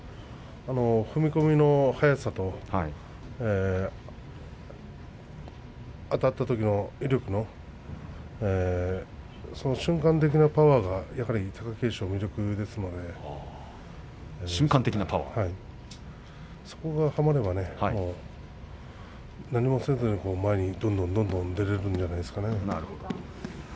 踏み込みの速さとあたったときの威力のその瞬間的なパワーが貴景勝は魅力ですのでそこがはまればね何もせずに前にどんどんどんどん出られるんじゃないですかね。